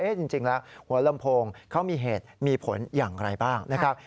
จริงแล้วหัวลำโพงเขามีเหตุมีผลอย่างไรบ้างนะครับ